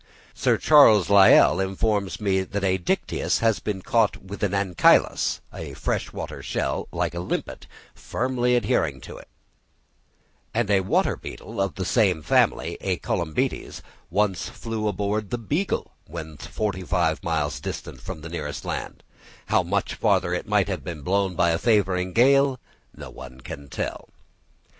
Sir Charles Lyell informs me that a Dyticus has been caught with an Ancylus (a fresh water shell like a limpet) firmly adhering to it; and a water beetle of the same family, a Colymbetes, once flew on board the "Beagle," when forty five miles distant from the nearest land: how much farther it might have been blown by a favouring gale no one can tell.